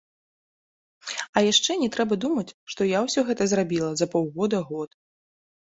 А яшчэ не трэба думаць, што я ўсё гэта зрабіла за паўгода-год.